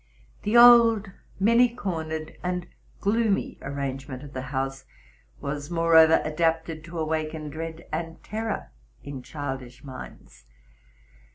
The old, many cornered, and gloomy arrangement of the house was, moreover, adapted to awaken dread and terror in childish minds.